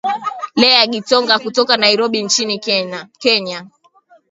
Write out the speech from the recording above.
leah gitonga kutoka nairobi nchini kenya